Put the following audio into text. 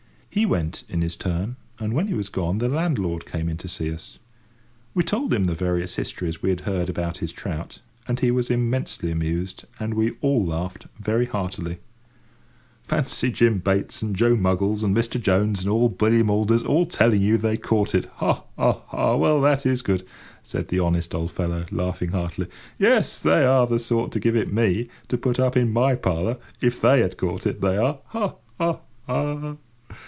He went in his turn, and when he was gone, the landlord came in to us. We told him the various histories we had heard about his trout, and he was immensely amused, and we all laughed very heartily. "Fancy Jim Bates and Joe Muggles and Mr. Jones and old Billy Maunders all telling you that they had caught it. Ha! ha! ha! Well, that is good," said the honest old fellow, laughing heartily. "Yes, they are the sort to give it me, to put up in my parlour, if they had caught it, they are! Ha! ha! ha!"